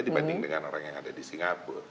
dibanding dengan orang yang ada di singapura